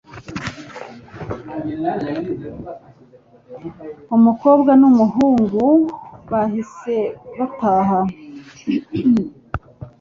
umukobwa n'umuhungu bahise bataha